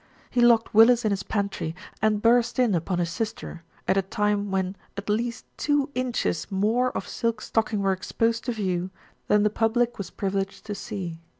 He locked Willis in his pantry, and burst in upon his sister at a time when at least two inches more of silk stocking were exposed to view than the public was privileged to see.